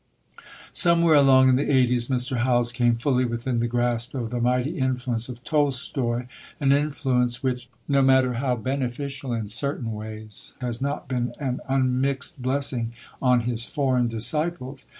Somewhere along in the eighties Mr. Howells came fully within the grasp of the mighty influence of Tolstoi, an influence, which, no matter how beneficial in certain ways, has not been an unmixed blessing on his foreign disciples.